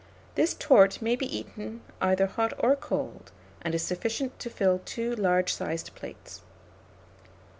This tourte may be eaten either hot or cold, and is sufficient to fill 2 large sized plates.